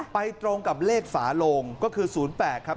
ตรงกับเลขฝาโลงก็คือ๐๘ครับ